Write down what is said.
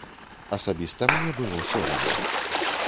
Асабіста мне было сорамна.